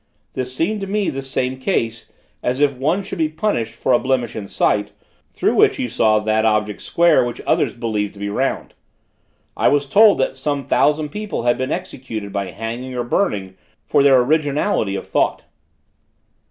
This seemed to me the same case, as if one should be punished for a blemish in sight, through which he saw that object square which others believed to be round. I was told that some thousand people had been executed by hanging or burning, for their originality of thought.